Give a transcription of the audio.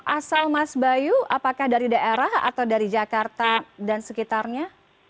asal mas bayu apakah dari daerah atau dari jakarta dan sekitarnya